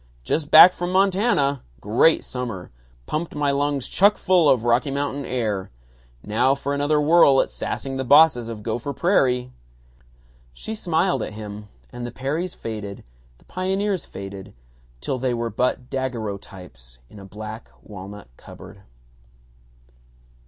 "Just back from Montana. Great summer. Pumped my lungs chuck full of Rocky Mountain air. Now for another whirl at sassing the bosses of Gopher Prairie." She smiled at him, and the Perrys faded, the pioneers faded, till they were but daguerreotypes in a black walnut cupboard.